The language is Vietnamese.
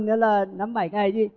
nó là năm bảy ngày đi